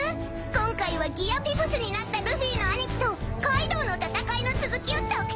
今回はギア５になったルフィの兄貴とカイドウの戦いの続きを特集するでやんす！